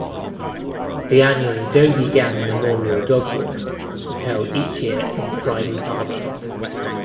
The annual "Dodie Gann Memorial Dog Walk" is held each year in Friday Harbor.